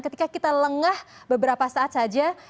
ketika kita lengah beberapa saat saja